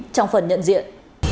trong phần nhận diện